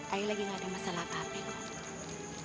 akhir lagi gak ada masalah apa apa kok